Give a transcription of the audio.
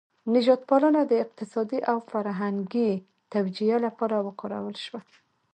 نژاد پالنه د اقتصادي او فرهنګي توجیه لپاره وکارول شوه.